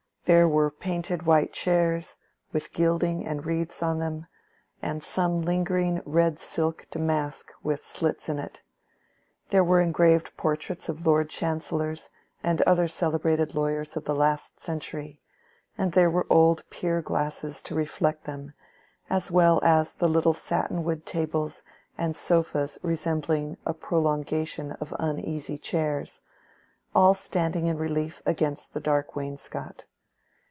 There were painted white chairs, with gilding and wreaths on them, and some lingering red silk damask with slits in it. There were engraved portraits of Lord Chancellors and other celebrated lawyers of the last century; and there were old pier glasses to reflect them, as well as the little satin wood tables and the sofas resembling a prolongation of uneasy chairs, all standing in relief against the dark wainscot.